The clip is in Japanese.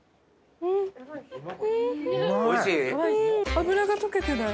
脂が溶けてない？